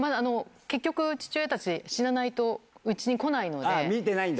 結局、父親たち、死なないとうち見てないんだ。